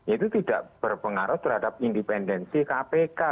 itu tidak berpengaruh terhadap independensi kpk